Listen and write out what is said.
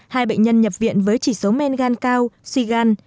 hai bệnh nhân nhập viện với chỉ số men gan cao suy gan